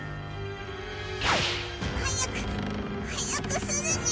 早く早くするニャ！